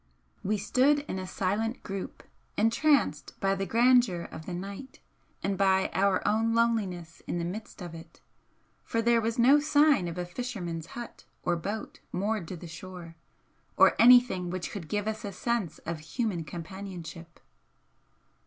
We stood in a silent group, entranced by the grandeur of the night and by our own loneliness in the midst of it, for there was no sign of a fisherman's hut or boat moored to the shore, or anything which could give us a sense of human companionship.